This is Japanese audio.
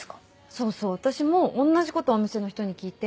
そうそう私も同じことお店の人に聞いて。